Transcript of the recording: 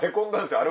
あれ？